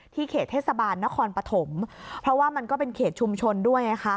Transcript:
เขตเทศบาลนครปฐมเพราะว่ามันก็เป็นเขตชุมชนด้วย